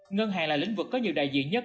ngân hàng là lĩnh vực có nhiều đại diện nhất